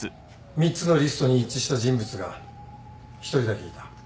３つのリストに一致した人物が１人だけいた。